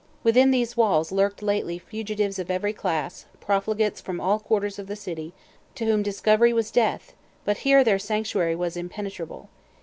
Within these walls lurked lately fugitives of every class, profligates from all quarters of the city, to whom discovery was death; but here their "sanctuary" was impenetrable.